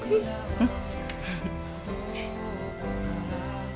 うん。